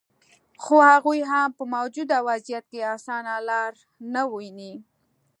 خو هغوي هم په موجوده وضعیت کې اسانه لار نه ویني